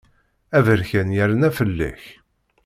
Aberkan yerna fell-ak.